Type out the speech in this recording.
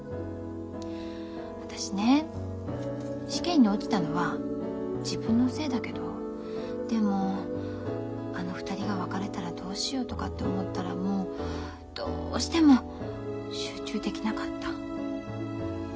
私ね試験に落ちたのは自分のせいだけどでもあの２人が別れたらどうしようとかって思ったらもうどうしても集中できなかった。